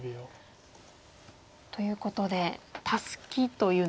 ということでタスキというんですかね。